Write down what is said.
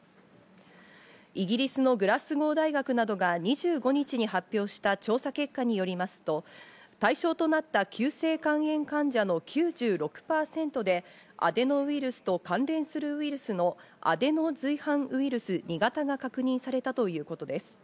イギリスのグラスゴー大学などが２５日に発表した調査結果によりますと、対象となった急性肝炎患者の９６％で、アデノウイルスと関連するウイルスのアデノ随伴ウイルス２型が確認されたということです。